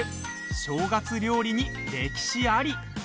正月料理に歴史あり。